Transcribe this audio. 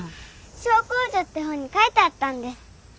「小公女」って本に書いてあったんです。